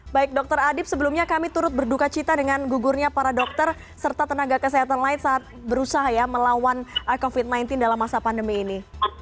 baik dokter adib sebelumnya kami turut berduka cita dengan gugurnya para dokter serta tenaga kesehatan lain saat berusaha ya melawan covid sembilan belas dalam masa pandemi ini